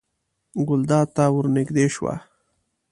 ګلداد ته ور نږدې شوه.